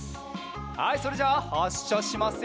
はいそれじゃあはっしゃしますよ！